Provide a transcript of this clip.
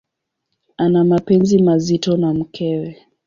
Ana mapenzi mazito na mkewe.